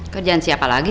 kerjaan siapa lagi